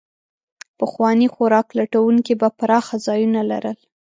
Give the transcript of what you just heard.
پخواني خوراک لټونکي به پراخه ځایونه لرل.